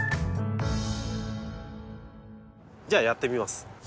じゃあやってみます。